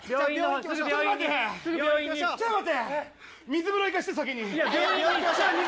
水風呂行かせて先に。